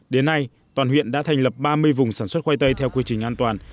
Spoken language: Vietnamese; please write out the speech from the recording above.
đến nay toàn huyện đã thành lập ba mươi vùng sản xuất khoai tây theo quy trình an toàn